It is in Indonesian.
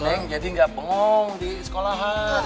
si neng jadi ga pengong di sekolahan